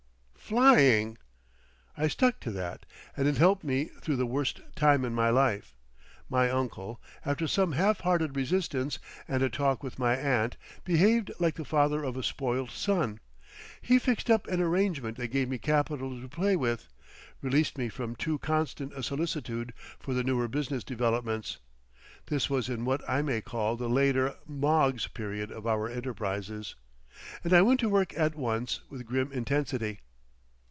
"Flying!" I stuck to that, and it helped me through the worst time in my life. My uncle, after some half hearted resistance and a talk with my aunt, behaved like the father of a spoilt son. He fixed up an arrangement that gave me capital to play with, released me from too constant a solicitude for the newer business developments—this was in what I may call the later Moggs period of our enterprises—and I went to work at once with grim intensity.